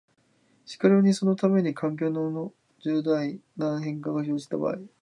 しかるにそのために、環境に重大な変化が生じた場合、